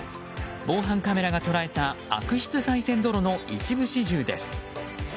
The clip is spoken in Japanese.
防犯カメラが捉えた悪質さい銭泥の一部始終です。